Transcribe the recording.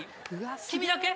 君だけ？